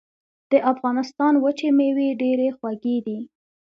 د افغانستان وچې مېوې ډېرې خوږې دي.